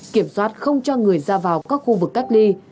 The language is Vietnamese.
kiểm soát không cho người ra vào các khu vực cách ly